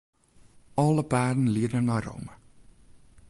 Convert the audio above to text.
Alle paden liede nei Rome.